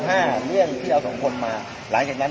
สวัสดีครับพี่เบนสวัสดีครับ